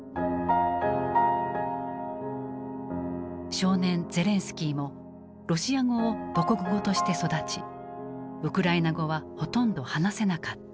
少年ゼレンスキーもロシア語を母国語として育ちウクライナ語はほとんど話せなかった。